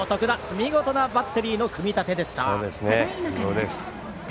見事なバッテリーの組み立てでした。